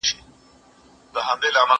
دهقان ولاړی په زاریو د مار کور ته